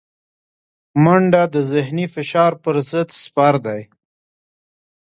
منډه د ذهني فشار پر ضد سپر دی